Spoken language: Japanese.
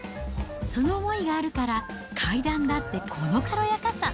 その思いがあるから、階段だってこの軽やかさ。